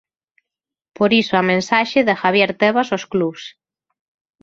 Por iso a mensaxe de Javier Tebas aos clubs.